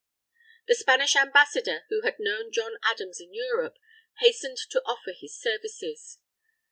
The Spanish Ambassador, who had known John Adams in Europe, hastened to offer his services.